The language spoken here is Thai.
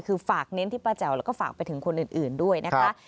คือฝากเน้นที่ป้าแจ๋วแล้วก็ฝากไปถึงคนอื่นด้วยนะคะ